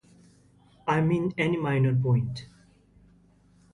I mean any minor point.